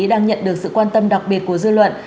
đang nhận được sự quan tâm đặc biệt của dư luận